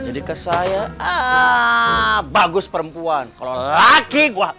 jadi ke saya ah bagus perempuan kalau lagi gua